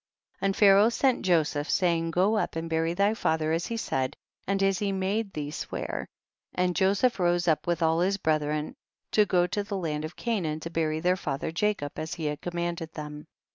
32. And Pharaoh sent Joseph, saying, go up and bury thy father as he said, and as he made thee swear; and Joseph rose up with all his bre thren to go to the land of Canaan to bury their father Jacob as he had commanded them.